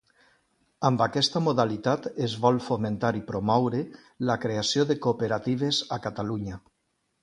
Amb aquesta modalitat es vol fomentar i promoure la creació de cooperatives a Catalunya.